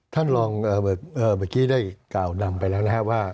ท่านรองเมื่อกี้ได้กล่าวนำไปแล้วนะครับว่า